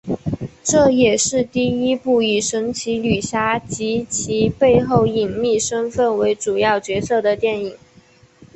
这也是第一部以神奇女侠及其背后隐秘身份为主要角色的电影。